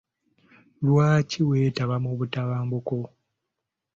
Lwaki weetaba mu butabanguko?